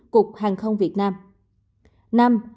cục hàng không việt nam